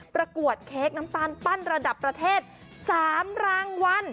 ประกวดเค้กน้ำตาลปั้นระดับประเทศ๓รางวัล